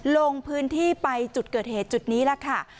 ลงพื้นที่ไปจุดเกิดเหตุจุดนี้ล่ะค่ะ